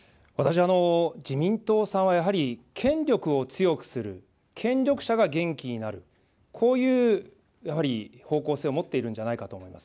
私、自民党さんはやはり、権力を強くする、権力者が元気になる、こういうやはり方向性を持っているんじゃないかと思います。